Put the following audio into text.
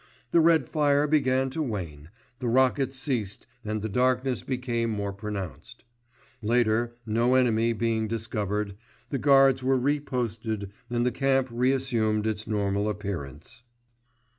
The red fire began to wane, the rockets ceased, and the darkness became more pronounced. Later, no enemy being discovered, the guards were re posted and the camp reassumed its normal appearance.